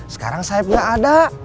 sekarang saibnya ada